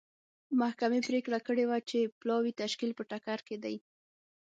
محکمې پرېکړه کړې وه چې پلاوي تشکیل په ټکر کې دی.